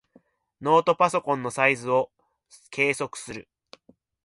ノートパソコンのサイズを計測する。